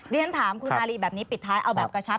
เรียนถามคุณอารีแบบนี้ปิดท้ายเอาแบบกระชับ